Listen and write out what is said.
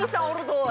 おい。